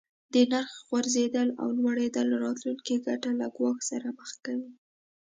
د نرخ غورځیدل او لوړیدل راتلونکې ګټه له ګواښ سره مخ کوي.